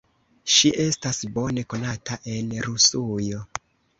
Ŝi estas bone konata en Rusujo.